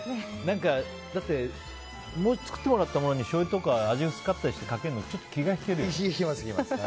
だって作ってもらったものにしょうゆとか味薄かったりしてかけるのちょっと気が引けるよね。